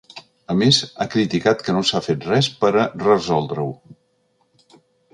A més, ha criticat que no s’ha fet res per a resoldre-ho.